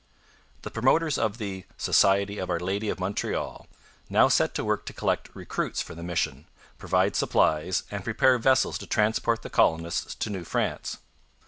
The promoters of the 'Society of Our Lady of Montreal' now set to work to collect recruits for the mission, provide supplies, and prepare vessels to transport the colonists to New France.